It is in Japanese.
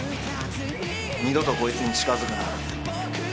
二度とこいつに近づくな。